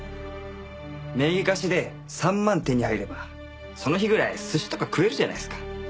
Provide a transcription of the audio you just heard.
名義貸しで３万手に入ればその日ぐらい寿司とか食えるじゃないですか。